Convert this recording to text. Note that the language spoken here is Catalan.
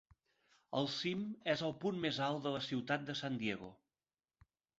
El cim és el punt més alt de la ciutat de San Diego.